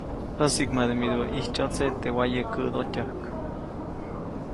Jäsiʼkmade midubäʼ ʼitsyoʼtseʼ teʼ wayekäʼdotyäjk.